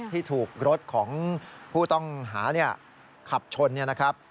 ที่ถูกรถของผู้ต้องหาขับชนเนี่ยนะครับ